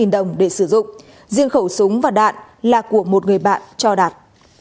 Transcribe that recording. chín trăm linh đồng để sử dụng riêng khẩu súng và đạn là của một người bạn cho đạt